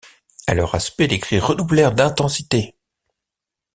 À leur aspect les cris redoublèrent d’intensité.